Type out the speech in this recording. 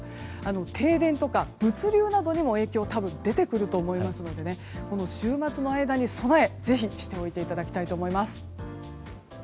停電とか物流などにも影響が出てくると思いますので週末の間に備えぜひしておいていただきたいと思います。